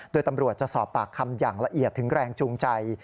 โดยตำรวจจะสอบปากคำอย่างละเอียดถึงแรงจูงใจ